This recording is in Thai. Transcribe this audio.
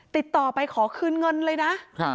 ติดต่อไปขอคืนเงินเลยนะ